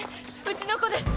うちの子です。